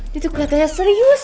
dia tuh kelihatannya serius